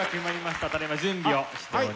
ただいま準備をしております。